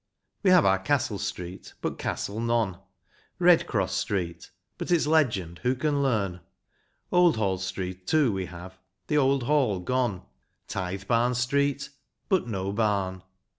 We have our Castle Street, but castle none ; Redcross Street, but its legend who can learn ; Oldhall Street, too, we have, the old hall gone; Tithebarn Street, but no barn.